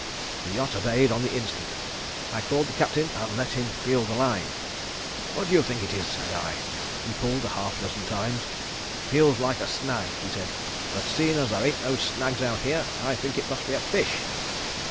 The yacht obeyed on the instant. I called the Captain and let him feel the line. 'What do you think it is?' said I. He pulled a half dozen times. 'Feels like a snag,' he said, 'but seein' as there ain't no snags out here, I think it must be a fish.'